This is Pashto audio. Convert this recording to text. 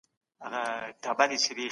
د سرطان د ژوندي پاتې کېدو احتمال لوړ شوی.